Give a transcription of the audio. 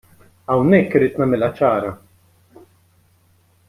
Hawnhekk irrid nagħmilha ċara.